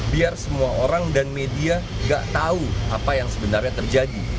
biar semua orang dan media gak tahu apa yang sebenarnya terjadi